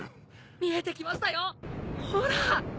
見えて来ましたよほら！